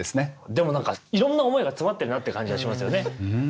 でもなんかいろんな思いが詰まってるなって感じがしますよね。